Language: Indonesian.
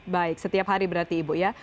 baik setiap hari berarti ibu ya